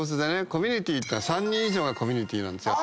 コミュニティーってのは３人以上がコミュニティーなんですよ。